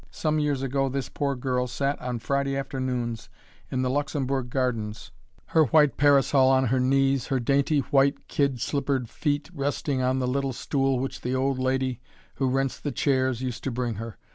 Some years ago this poor girl sat on Friday afternoons in the Luxembourg Gardens her white parasol on her knees, her dainty, white kid slippered feet resting on the little stool which the old lady, who rents the chairs, used to bring her.